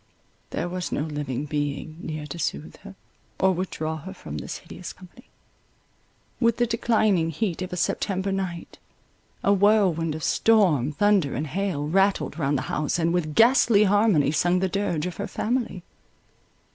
There was no living being near to soothe her, or withdraw her from this hideous company. With the declining heat of a September night, a whirlwind of storm, thunder, and hail, rattled round the house, and with ghastly harmony sung the dirge of her family.